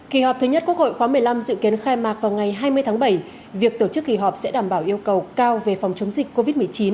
kỳ họp thứ nhất quốc hội khóa một mươi năm dự kiến khai mạc vào ngày hai mươi tháng bảy việc tổ chức kỳ họp sẽ đảm bảo yêu cầu cao về phòng chống dịch covid một mươi chín